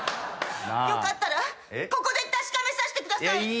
よかったらここで確かめさせてください！